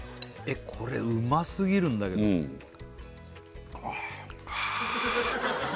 えっこれうますぎるんだけどうんあ